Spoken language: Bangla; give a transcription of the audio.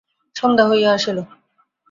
সন্ধ্যা হইয়া আসিল।